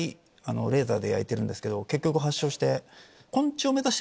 結局発症して。